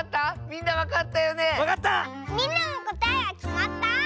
みんなもこたえはきまった？